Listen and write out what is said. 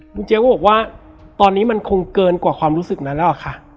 คุณเจ๊ก็บอกว่าตอนนี้มันคงเกินกว่าความรู้สึกนั้นแล้วอะค่ะ